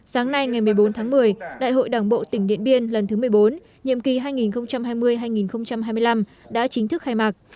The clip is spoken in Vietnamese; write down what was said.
sáng nay ngày một mươi bốn tháng một mươi đại hội đảng bộ tỉnh điện biên lần thứ một mươi bốn nhiệm kỳ hai nghìn hai mươi hai nghìn hai mươi năm đã chính thức khai mạc